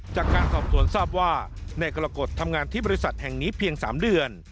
จากการสอบสวนทราบว่านายกรกฎทำงานที่บริษัทแห่งนี้เพียง๓เดือน